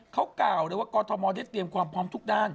เขากล่าวเลยว่ากรทมได้เตรียมความพร้อมทุกด้าน